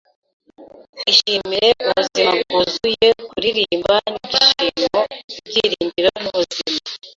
Ishimire ubuzima bwuzuye, kuririmba nibyishimo. Ibyiringiro n'ubuzima.